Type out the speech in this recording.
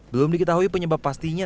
belum diketahui penyebab pastinya